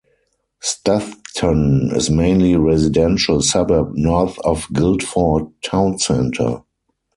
Stoughton is a mainly residential suburb north of Guildford town centre.